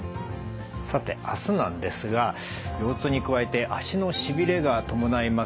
さて明日なんですが腰痛に加えて脚のしびれが伴います